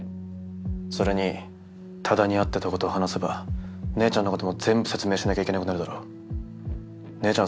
それに多田に会ってたことを話せば姉ちゃんのことも全部説明しなきゃいけなくなるだろ姉ちゃん